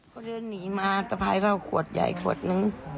เขาเดินหนีมาจะพาให้เข้าขวดใหญ่ขวดนึง